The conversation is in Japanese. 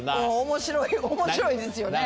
面白い面白いですよね。